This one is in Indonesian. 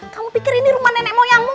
kamu pikir ini rumah nenek moyangmu